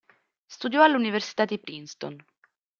Studiò all'Università di Princeton.